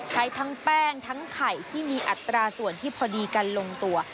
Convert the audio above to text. ทั้งแป้งทั้งไข่ที่มีอัตราส่วนที่พอดีกันลงตัว